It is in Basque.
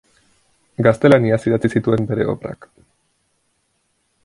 Gaztelaniaz idatzi zituen bere obrak.